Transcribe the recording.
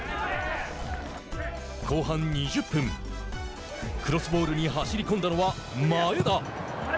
後半２０分クロスボールに走り込んだのは前田。